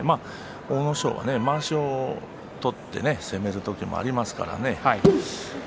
阿武咲はまわしを取って攻める時もありますからね。